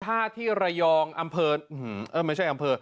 ถ้าที่ระยองอำเภอไม่ใช่อำเภอ